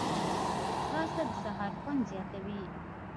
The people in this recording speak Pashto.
ځغاسته د سهار خوند زیاتوي